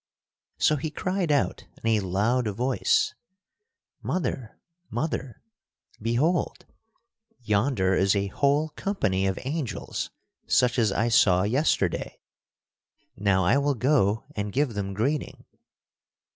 So he cried out in a loud voice: "Mother! Mother! Behold! Yonder is a whole company of angels such as I saw yesterday! Now I will go and give them greeting."